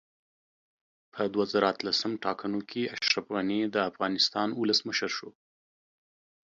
په دوه زره اتلسم ټاکنو کې اشرف غني دا افغانستان اولسمشر شو